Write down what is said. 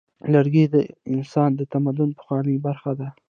لرګی د انسان د تمدن پخوانۍ برخه ده.